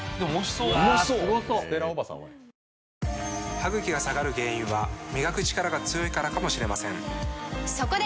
歯ぐきが下がる原因は磨くチカラが強いからかもしれませんそこで！